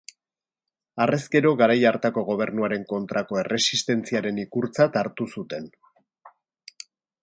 Harrezkero, garai hartako gobernuaren kontrako erresistentziaren ikurtzat hartu zuten.